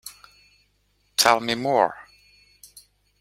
Tell me more.